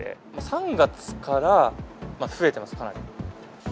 ３月から増えてます、かなり。